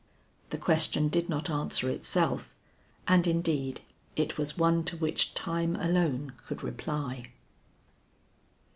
The question did not answer itself, and indeed it was one to which time alone could reply.